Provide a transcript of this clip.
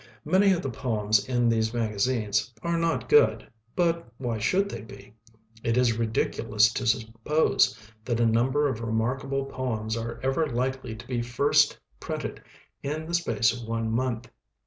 Many of the poems in these magazines are not good, but why should they be? It is ridiculous to suppose that a number of remarkable poems are ever likely to be first printed in the space of one month.